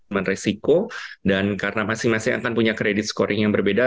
meneman resiko dan karena masing masing akan punya kredit scoring yang berbeda